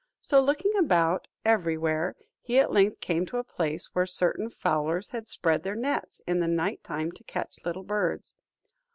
So looking about every where, he at length came to a place where certain fowlers had spread their nets in the night time to catch little birds.